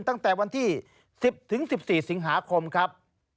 ตั้งแต่วันที่๑๐๑๔สิงหาคมครับ